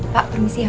pak permisi ya pak